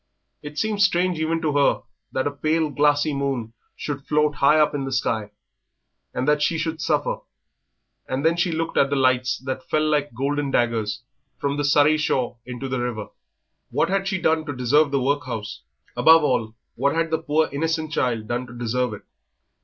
It seemed strange even to her that a pale, glassy moon should float high up in the sky, and that she should suffer; and then she looked at the lights that fell like golden daggers from the Surrey shore into the river. What had she done to deserve the workhouse? Above all, what had the poor, innocent child done to deserve it?